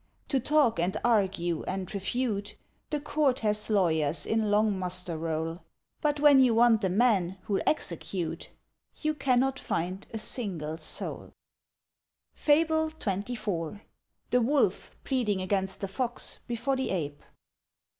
To talk, and argue, and refute, The court has lawyers in long muster roll; But when you want a man who'll execute, You cannot find a single soul. FABLE XXIV. THE WOLF PLEADING AGAINST THE FOX BEFORE THE APE.